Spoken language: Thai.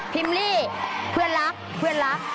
พิมพ์รีเพื่อนรักเพื่อนรัก